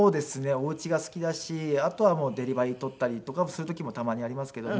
お家が好きだしあとはもうデリバリー取ったりとかする時もたまにありますけども。